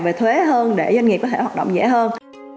về thuế hơn để doanh nghiệp có thể hoạt động dễ hơn